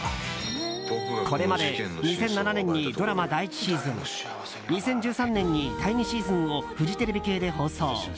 これまで２００７年にドラマ第１シーズン２０１３年に第２シーズンをフジテレビ系で放送。